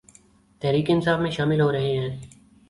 تحریک انصاف میں شامل ہورہےہیں